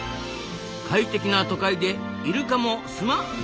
快適な都会でイルカもスマイルか。